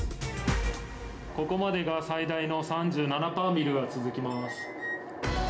ここまでが最大の３７パーミルが続きます。